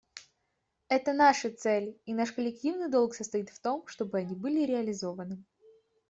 Это наши цели, и наш коллективный долг состоит в том, чтобы они были реализованы.